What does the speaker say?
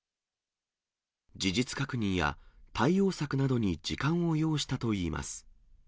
事実確認や対応策などに時間を要したといいます。